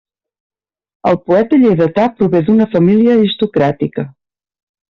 El poeta lleidatà prové d'una família aristocràtica.